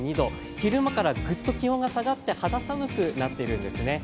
昼間からぐっと気温が下がって肌寒くなってるんですね。